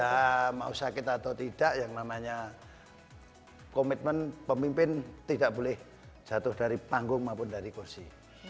ya mau sakit atau tidak yang namanya komitmen pemimpin tidak boleh jatuh dari panggung maupun dari kursi